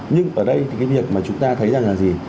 nhưng ở đây thì cái việc mà chúng ta thấy rằng là gì